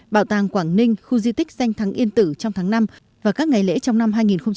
bảo tàng quảng ninh khu di tích danh thắng yên tử trong tháng năm và các ngày lễ trong năm hai nghìn hai mươi